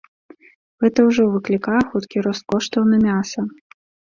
Гэта ўжо выклікае хуткі рост коштаў на мяса.